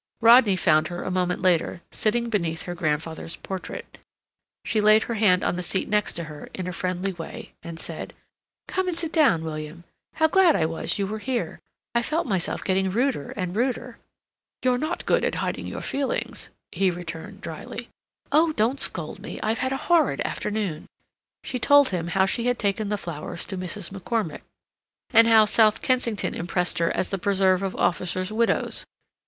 Rodney found her a moment later sitting beneath her grandfather's portrait. She laid her hand on the seat next her in a friendly way, and said: "Come and sit down, William. How glad I was you were here! I felt myself getting ruder and ruder." "You are not good at hiding your feelings," he returned dryly. "Oh, don't scold me—I've had a horrid afternoon." She told him how she had taken the flowers to Mrs. McCormick, and how South Kensington impressed her as the preserve of officers' widows.